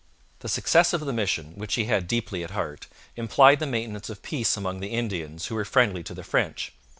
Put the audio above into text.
The success of the mission, which he had deeply at heart, implied the maintenance of peace among the Indians who were friendly to the French.